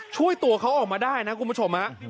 ช่วยตัวเขาออกมาได้นะคุณผู้ชมฮะ